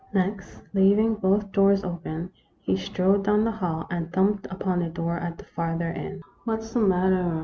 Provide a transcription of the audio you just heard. Next, leaving both doors open, he strode down the hall, and thumped upon a door at the farther end. " What 's the matter